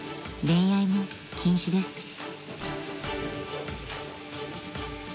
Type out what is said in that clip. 恋愛も禁止です］